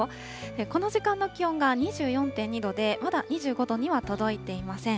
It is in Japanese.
この時間の気温が２４．２度で、まだ２５度には届いていません。